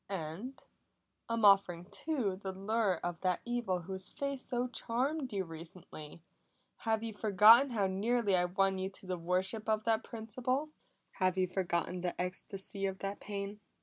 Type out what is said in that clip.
And I'm offering too the lure of that evil whose face so charmed you recently. Have you forgotten how nearly I won you to the worship of that principle? Have you forgotten the ecstasy of that pain?"